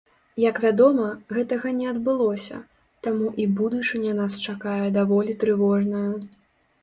Як вядома, гэтага не адбылося, таму і будучыня нас чакае даволі трывожная.